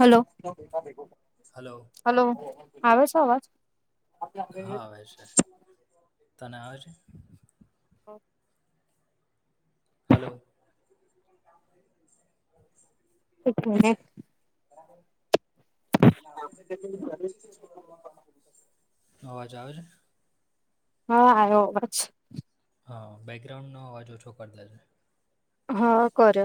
Hello hello આવે શ અવાજ? હા છે તને આવે છે? હ. હલો. [inaudible] [unintelligible] બરાબર એ આપડે જેટલુંલું ઈચ્છીએ એટલું બધું અવાજ આવે? હા આવ્યો હા બેકગ્રાઉન્ડ નો અવાજ ઓછો કરતા છે. હા કર.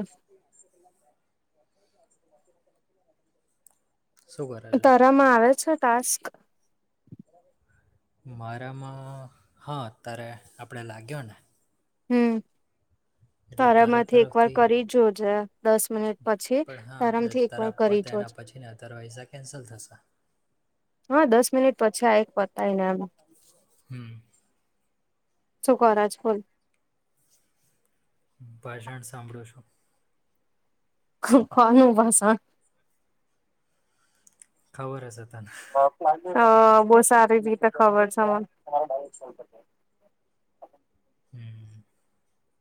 શું કરે છે તરવામાં આવે છે ટાસ્ક. મારામાં હા ત્યારે આપડે લાગ્યો ને. હમ એટલે તારા તારામાંથી એક વાર તરફથી કરી જોજે દસ મિનિટ પછી પણ હા આપડે તારામથી એકવાર તારા કરી પત જોજે એના પછી ને અ તાર હૈસા કેન્સલ થશે. હા દસ મિનિટ પછી આ એક પતાય ને. હમ્મ. શું કરો છો? ભાષણ સાંભળો છો. કનું ભસણ ખબરસ તના હ બહ સારી બીતે ખબર છે મ હમ્મ.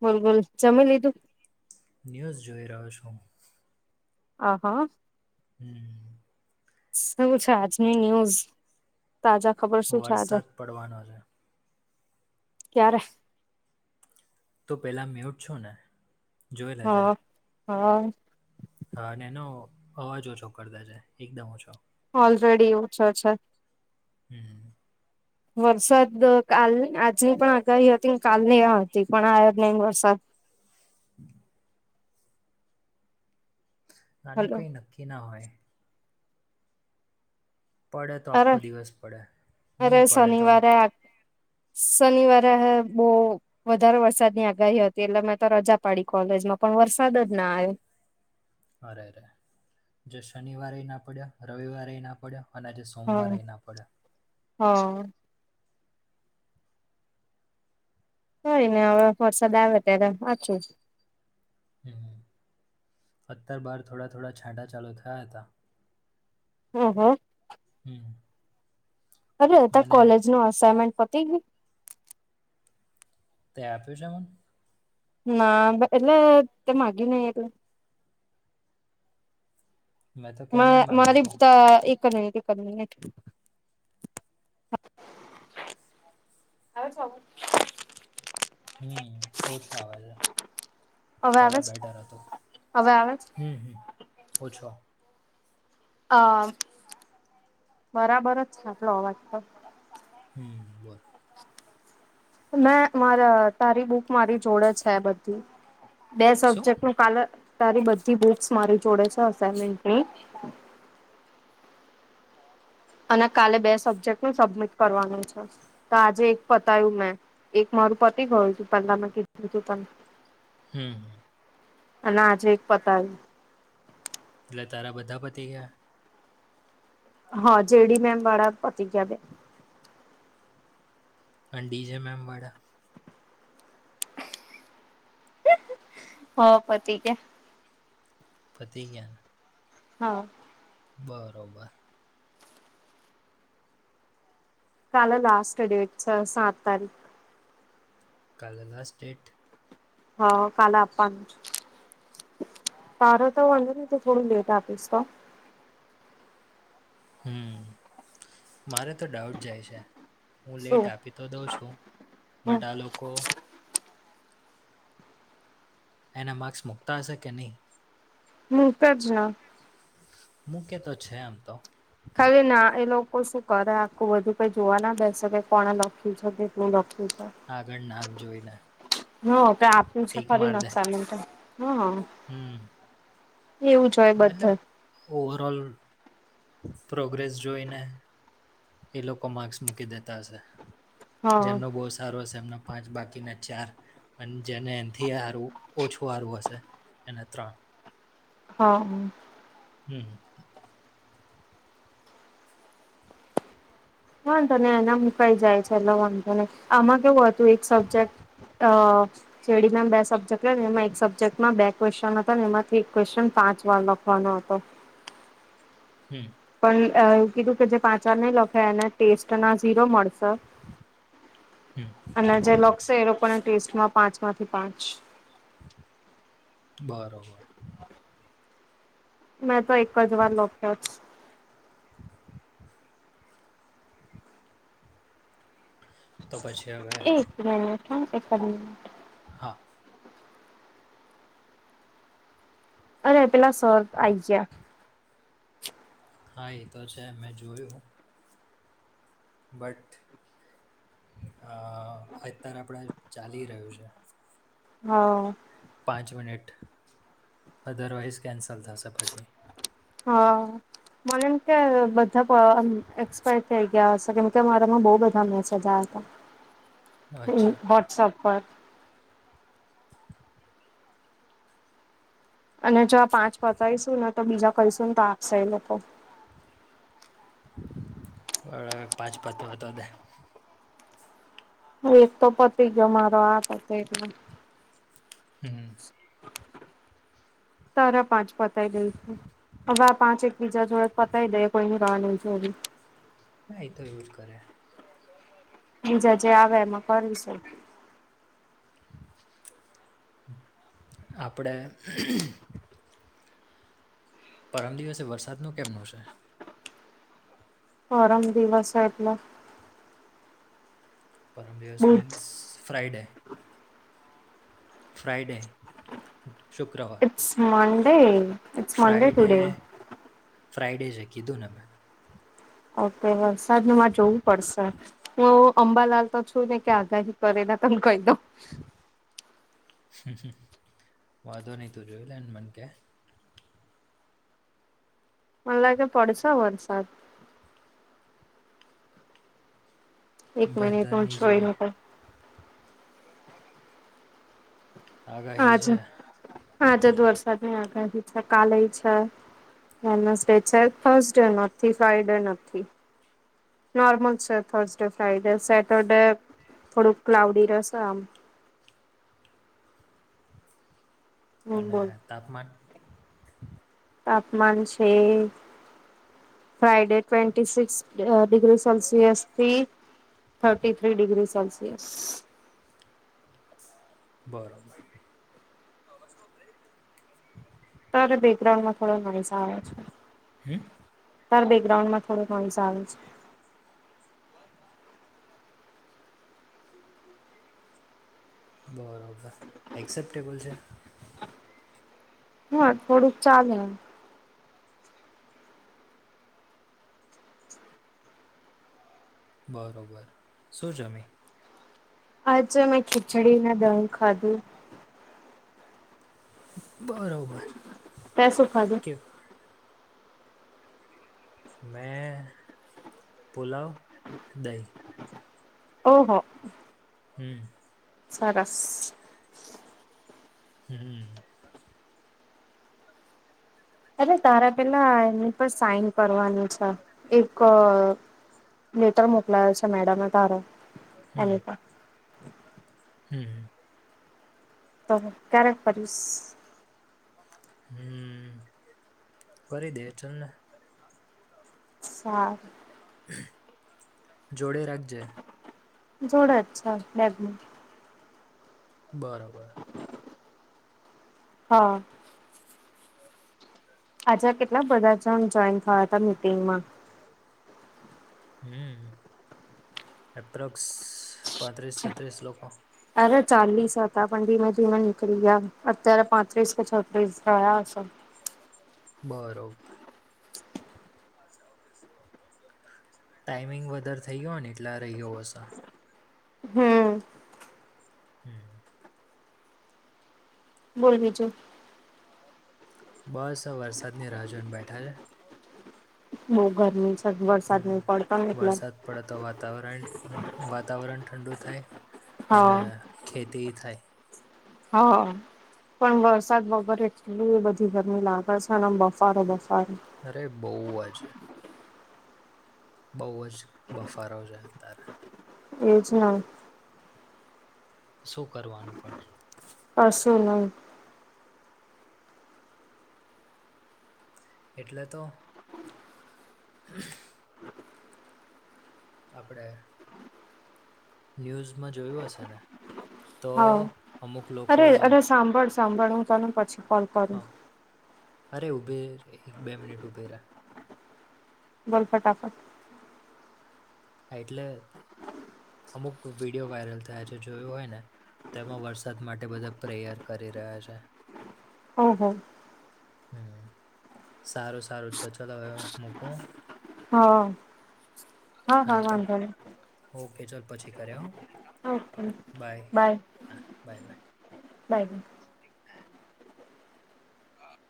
મોલગોલ્ ચમેલું ન્યૂઝ જોઈ રહ્યો છો આહા. હમ્મ. શું છે આજની ન્યુઝ તાજા ખબર શું છે આજે વરસાદ પડવાનો છે ક્યારે. તો પેલા મે્યુટ છો ને જોઈ લેજે હા હા. હા અને એનો અવાજ ઓછો કરતા છે એકદમ ઓછો ઓલરેડી ઓછછા. હમ્મ. વરસાદ કાલ આજની પણ આગાહી હતી કાલની આ હતી પણ આ જ નહી વરસાદ [inaudible] આનું હલો કઈ નક્કી ના હોય. પડે તો આખો અરે દિવસ પડે, અરે નહીં પડે તો શનિવારે આ. શનિવારે અહે બહુ વધારે વરસાદ ની આગાહી હતી એટલે મેં તો રજા પાડી કોલેજમાં પણ વરસાદ જ ના આવ્યો. અરે રે જે શનિવારે ના પડ્યા રવિવારે ના પડ્યા અને જે. આવ્યો સોમવારેય ના પડયા. હા. કઇ નઇ હવે વરસાદ આવે ત્યારે પાછું. હ અત્યાર બાર થોડા થોડા છાંટા ચાલુ થયા હતા. ઓ હો. હમ. અરે અત્યાર મને કોલેજ નું અસાઇનમેન્ટ પતી ગયુ. તે આપ્યું છે મને. ના એટલે તે માગ્યુ નઈ એટલે મેં તો મ કેનોય માંગ્યો મારી હતો. તા એક જ મિનિટ એક જ મિનિટ. હવે સૌ હમ ઓછો આવે રા પહેલા આવે છે બેટર હતુ. હવે આવે છે અ હમ ઓછો. અ બરાબર જ છે આટલો અવાજ તો. હમ બોલ. મેં મારા તારી બુક મારી જોડે છે બધી બે શું? સબ્જેક્ટનું કાલે તારી બધી બુક્સ મારી જોડે છે અસાઇનમેન્ટની અને કાલે બે સબ્જેક્ટ નું સબમિટ કરવાનું છે. તો આજે એક પતાયું મેં એક મારું પતી ગયુ તું પહેલા મેં કીધુ તુ તને. હમ. અને આજે એક પતાયું. એટલે તારા બધા પતી ગયા. હા જેડી મેમ વાળા પતી ગયા બે. અન ડી જે મેમ વાડા હો પતી ગયા. પતી ગયા. હા. બરોબર. કાલે લાસ્ટ ડેટ છે સાત તારીખ કાલે લાસ્ટ ડેટ. હા કાલે આપવાનું છે. તારો તો વાંધો નહી તુ થોડું લેટ આપીશ તો હમ મારે તો ડાઉટ જાય છે હું લેટ શું આપી તો દઉં છું હમ બટ આ લોકો એના માર્ક્સ મૂકતા હશે કે નહીં. મુુકેજ ન. મૂકે તો છે એ એમ તો. ખાલી ના એ લોકો શું કરે આખું બધું કઈ જોવા ના બેસે કે કોણે લખી છે કે. શુ લખ્યું છે. આગળ નામ જોઈને હ તે આપ્યુ છે ટીક ખરી માર ન દે સામે હ. હમ. એવું જ. બધે મતલબ ઓવરઓલ. પ્રોગ્રેસ જોઈને એ લોકો માર્ક્સ મૂકી દેતા હશે. હા જેમનો બહુ સારો હશે એમનો પાંચ બાકીને ચાર અન જેને એનથી હારું ઓછું હારું હશે એને ત્રણ. હા હમ. હમ. વાંધો નઇ એનામા મુકાઈ જાય છે એટલે વાંધો નય આમાં કેવું હતું એક સબ્જેક્ટ અ ચેડીના બે સબ્જેક્ટ લયને એમાં એક સબ્જેક્ટમાં બે ક્વેશ્ચન હતાને એમાંથી એક ક્વેશ્વન પાંચ વાર લખવાનો હતો. હમ્મ. પણ અ એવું કીધું કે જે પાચ વાર નય લખે એને ટેસ્ટ ના ઝીરો મળશે. હમ ત અને જે લખશે એ લોકોને ટેસ્ટમાં પાંચ માંથી પાંચ. બરોબર. મે તો એક જ વાર લોખ્યા છ. તો પછી અવે? [unintelligible] હા. અરે પેલા સર આઈ જિયા. હા એતો છે મે જોયું. બટ, અ એતાર આપળે ચાલી રયુ છે. હા. પાંચ મિનિટ, અદરવાઈઝ કેન્સલ થશે પછી. હા મને એમ કે બધા પ અમ એક્સપાયર થય ગ્યા હસે કેમ કે મારામાં બો બધા મેસેજ આયતા, હમ્મ અચ્છા વોટ્સઅપ પર. અને જો આ પાંચ પતાયશું ને તો બીજા કરશું ને તો આપશે એ લોકો. અ પાંચ પતવા તો દે. હું એક તો પતી ગ્યો મારો આ પતે એટલે. હમ્મ. તારા પાંચ પતાય દઈશું, અવે આ પાંચ એક બીજા જોડે પતાય દેયે કોઈની રા ની જોવી. ના એ તો એવું જ કરે. બીજા જે આવે એમાં કરીશું. આપડે પરમ દિવસે વરસાદ નું કેમનું છે? પરમ દિવસે એટલે? પરમ દિવસ બુધ મીન્સ ફ્રાઇડે. ફ્રાઇડે શુક્રવા ટ્સ મનડે. ફ્રાઈડે, ફ્રાઈડે છે કીધું ને મેં. ઓકે વરસાદમા જોવું પડશે. હું અંબાલાલ તો છું નય કે આગાહી કરેના તન કય દઉ. વાધો નય તું જોઈ લેન મન કે. મન લાગે પડશે વરસાદ. એક મનિટ હું વેધરની જે જોઈને કવ. આગાહી છે. આજેજ વરસાદની આગાહી છે, કાલેઈ છે. વેનસડે છે, થર્સડે નથી, ફ્રાઈડે નથી. નોર્મલ છે થર્સડે, ફ્રાઈડે, સેટરડે થોડુંક ક્લાઉડી રેશે આમ. હમ અને બોલ તાપમાન? તાપમાન છે Friday twenty six uh degrees Celsius થી થર્ટી થ્રી ડિગ્રી સેલ્સિયસ. બરોબર. તાર બેકગ્રાઉન્ડ માં થોડા નોઇસ આવે છે. હમ તાર બેકગ્રાઉન્ડમા થોડો નોઈસ આવે છે. બરોબર, એક્સેપ્ટેબલ છે? હા થોડુંક ચાલેમ. બરોબર, શું જમી? આજ મેં ખીચડી ના દહી ખાધું બરોબર તે સુ ખાધુ કેવું મેં પુલાવ દહી ઓહો હમ સરસ હમ અરે તારા પેલા એની પર સાઈન કરવાનું છે એક લેટર મોકલાયો છે મેડમે તારો એની પર હમ તો ક્યારેક કરીશ હમ કરી દઈશ ચાલ ને હા જોડે રાખજે જોડ જ છે લેબ બરાબર હા આજે કેટલા બધા જણ જોઈન થયા હતા મીટંગમાં હમ એપ્રોક્સ પાંત્રીસ છત્રીસ લોકો અરે ચાલીસ હતા પંડીમાંજી મે નીળ ગયા અત્યારે પાંત્રીસ પ છ બ થયાસ બરોબર ટાઈમિંગ વધારે થઇ ગયો ને એટલે આ રહી્યો હ હમ હમ બોલવીજું બસ વરસાદની રાહ જોને બેઠા છે જો બહ ગરમી છે વરસાદ નહીં પડતો ને એટલે વરસાદ પડે તો વાતાવરણ વાતાવરણ ઠંડુ થાય અને હા ખેતી થાય હા પણ વરસાદ વગર એ એ બધી ગરમી લાગે છેનેમ બફારો બફારો અરે બહુ આ જ બહુ જ બફારો છે ત્યારે એજ હ શું કરવાનું પણ અસું ન એટલે તો આપણે ન્યૂઝમાં જોયું હશે ને તો હા. અમુક લોકો અરે અરે સાંભળ સાંભળ હું ત પછી કરું હા અરે ઉભે એક બે મિનિટ ઉભે રા બોલ ફટાફટ એટલે અમુક વિડીયો વાયરલ થયા છે જોયું હોય ને તેમાં વરસાદ માટે બધા પ્રેયર કરી રહ્યા છે હહ હમ સારું સારું તો ચલો હવે મૂકું હા હા ચાલ, ઓકે ચાલ પછી કર્યા હા. ઓકે બાય, હા બાય બાય. બાય. હા